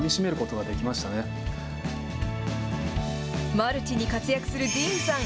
マルチに活躍するディーンさん。